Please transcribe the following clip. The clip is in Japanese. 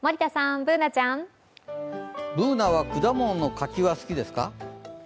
Ｂｏｏｎａは果物の柿は好きですか？